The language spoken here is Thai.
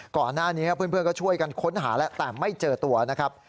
ก่อนหน้านี้เพื่อนก็ช่วยกันค้นหาแล้วแต่ไม่เจอตัวนะครับ